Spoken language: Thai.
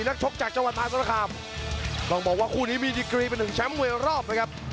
นักชกจากจังหวัดมหาศาลคามต้องบอกว่าคู่นี้มีดีกรีเป็นหนึ่งแชมป์มวยรอบนะครับ